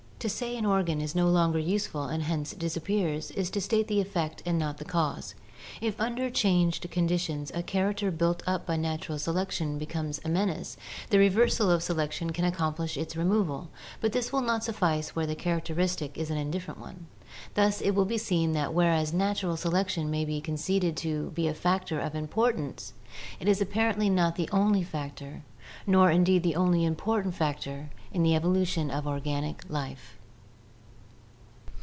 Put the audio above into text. To say an organ is no longer useful and hence disappears, is to state the effect and not the cause. If under changed conditions a character built up by natural selection becomes a menace, the reversal of selection can accomplish its removal, but this will not suffice where the characteristic is an indifferent one. Thus it will be seen that whereas natural selection may be conceded to be a factor of im H4 ORGANIC EVOLUTION portance, it is apparently not the only factor nor indeed the only important factor in the evolution of organic life.